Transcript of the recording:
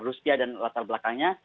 rusia dan latar belakangnya